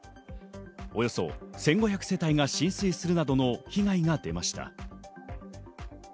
およそ１５００世帯が浸水するなどの被害が出ました。